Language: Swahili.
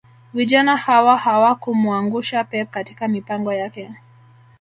Vijana hawa hawakumuangusha pep katika mipango yake